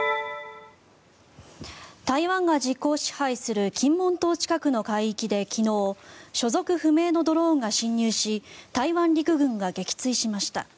台湾が実効支配する金門島近くの海域で昨日所属不明のドローンが侵入し台湾陸軍が撃墜しました。